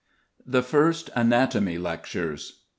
_] THE FIRST ANATOMY LECTURES.